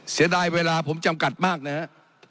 เสียดายเวลาผมจำกัดมากนะครับ